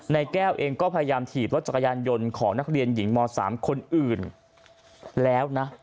ในแก้วเองก็พยายามถีบรถจักรยานยนต์ของนักเรียนหญิงม๓คนอื่นแล้วนะ